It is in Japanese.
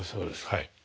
はい。